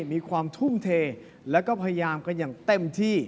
มีความทุ่มเทแล้วก็พยายามกันอย่างเต็มที่